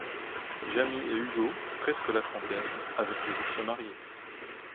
Jamie et Hugo, presque la trentaine, avaient prévu de se marier.